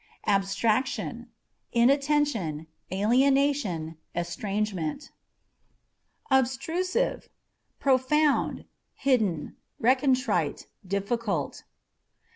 Abstraction â€" inattention, alienation, estrangement. Abstruse: â€" profound, hidden, recondite, difficult.